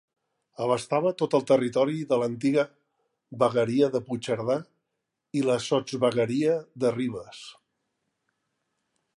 Abastava tot el territori de l’antiga vegueria de Puigcerdà i la sotsvegueria de Ribes.